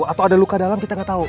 atau ada luka dalam kita gak tau